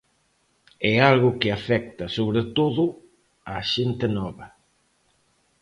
É algo que afecta sobre todo a xente nova.